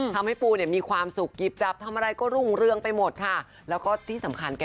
ปูเนี่ยมีความสุขหยิบจับทำอะไรก็รุ่งเรืองไปหมดค่ะแล้วก็ที่สำคัญแก